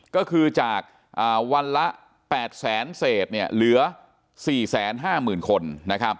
ก็คือจากวันละ๘๐๐๐๐๐เศษเนี่ยเหลือ๔๕๐๐๐๐คนนะครับ